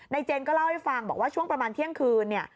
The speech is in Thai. เจนก็เล่าให้ฟังบอกว่าช่วงประมาณเที่ยงคืนเนี่ย